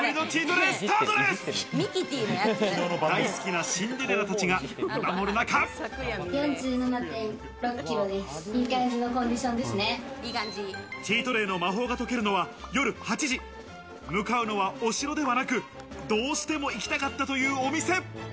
チートデイの魔法が解けるのは夜８時、向かうのはお城ではなく、どうしても行きたかったというお店。